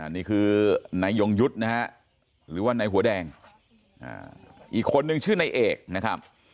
นี่คือนายยงยุทธ์นะฮะหรือว่านายหัวแดงอีกคนนึงชื่อนายเอกนะครับ